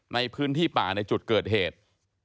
ในพื้นที่ป่าในจุดเกิดเหตุ